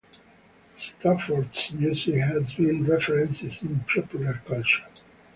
Stafford's music has been referenced in popular culture.